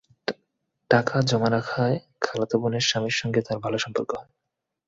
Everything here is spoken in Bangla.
টাকা জমা রাখায় খালাতো বোনের স্বামীর সঙ্গে তাঁর ভালো সম্পর্ক হয়।